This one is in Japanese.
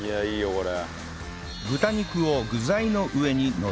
これ。